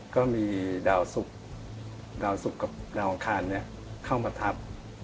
ก็มีดาวสุพธิ์กับดาวขาดเข้ามาทับ